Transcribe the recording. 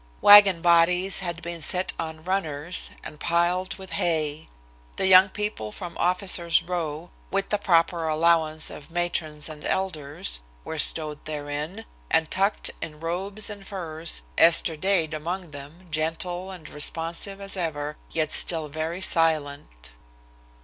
Wagon bodies had been set on runners, and piled with hay. The young people from officers' row, with the proper allowance of matrons and elders, were stowed therein, and tucked in robes and furs, Esther Dade among them, gentle and responsive as ever, yet still very silent.